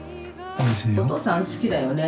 お父さん好きだよね。